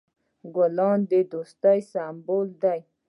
ګلان د دوستی سمبول دي.